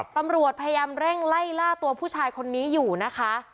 ตำรวจพยายามเร่งไล่ล่าตัวผู้ชายคนนี้อยู่นะคะ